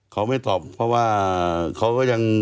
เขาไม่ตอบเพราะว่าเขาก็ยัง